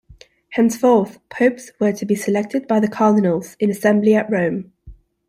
Henceforth, popes were to be selected by the Cardinals in assembly at Rome.